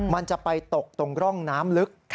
มันจะไปตกตรงร่องน้ำลึก